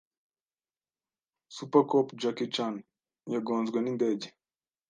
Super Cop Jackie Chan yagonzwe n’indege